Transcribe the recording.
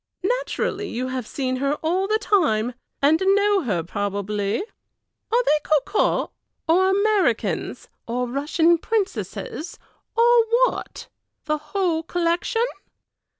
"Naturally you have seen her all the time, and know her probably. Are they cocottes, or Americans, or Russian princesses, or what? the whole collection?"